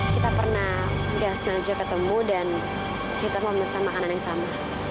kita pernah nggak sengaja ketemu dan kita mau pesen makanan yang sama